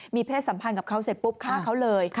มีเพศสัมพันธ์กับเขาเสร็จปุ๊บฆ่าเขาเลย